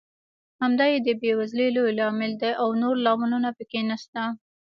همدا یې د بېوزلۍ لوی لامل دی او نور لاملونه پکې نشته.